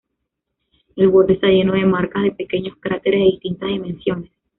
El borde está lleno de marcas de pequeños cráteres de distintas dimensiones.